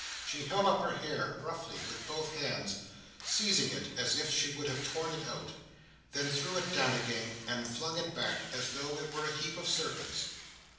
She held up her hair roughly with both hands; seizing it as if she would have torn it out; then, threw it down again, and flung it back as though it were a heap of serpents.